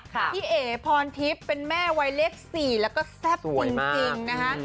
พี่เอ๋พรทิพย์เป็นแม่วัยเลข๔แล้วก็แซ่บจริงนะคะ